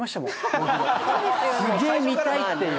僕もすげえ見たいっていう